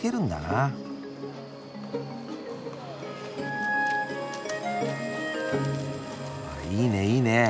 あっいいねいいね。